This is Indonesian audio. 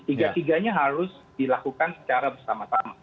tiga tiganya harus dilakukan secara bersama sama